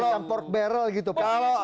macam pork barrel gitu pak